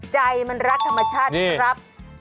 ใจมันรักธรรมชาติครับ